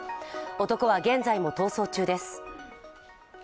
男は現在も逃走中です。